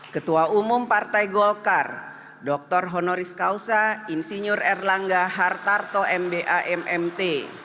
ketua umum partai golkar dr honoris causa insinyur erlangga hartarto mba mmt